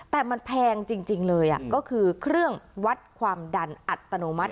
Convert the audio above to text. แต่มันแพงจริงเลยก็คือเครื่องวัดความดันอัตโนมัติ